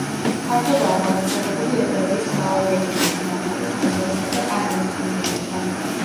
ფართოდაა გავრცელებული ევრაზიის მრავალ რეგიონში, მათ შორის აზორისა და კანარის კუნძულებზე.